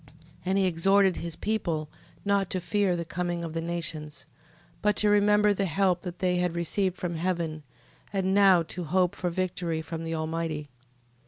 15:8. And he exhorted his people not to fear the coming of the nations, but to remember the help they had before received from heaven, and now to hope for victory from the Almighty.